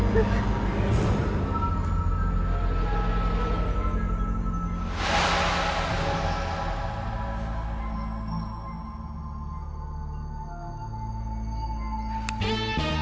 จะกลับขึ้นแน่กัน